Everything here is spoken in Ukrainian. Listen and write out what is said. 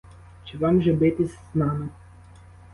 Чи вам же битись з нами!